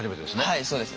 はいそうです。